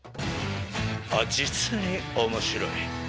実に面白い。